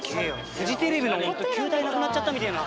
フジテレビの球体なくなっちゃったみてぇな。